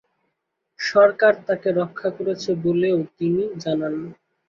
সরকার তাকে রক্ষা করছে বলেও তিনি জানান।